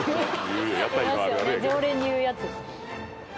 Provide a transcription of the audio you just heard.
「常連に言うやつ」